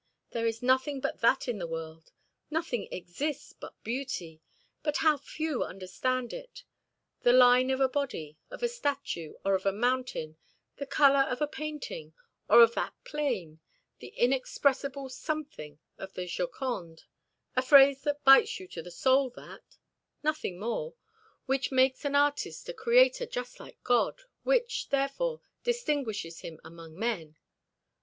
There is nothing but that in the world. Nothing exists but beauty. But how few understand it! The line of a body, of a statue, or of a mountain, the color of a painting or of that plain, the inexpressible something of the 'Joconde,' a phrase that bites you to the soul, that nothing more which makes an artist a creator just like God, which, therefore, distinguishes him among men.